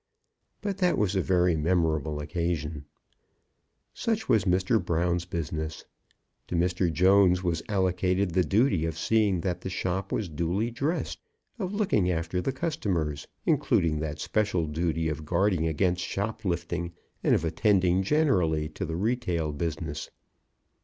But that was a very memorable occasion. Such was Mr. Brown's business. To Mr. Jones was allocated the duty of seeing that the shop was duly dressed, of looking after the customers, including that special duty of guarding against shop lifting, and of attending generally to the retail business.